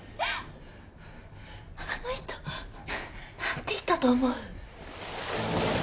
あの人何て言ったと思う？